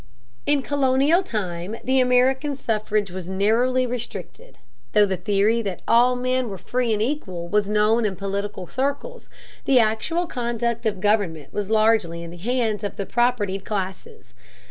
In colonial times the American suffrage was narrowly restricted. Though the theory that all men were free and equal was known in political circles, the actual conduct of government was largely in the hands of the propertied classes.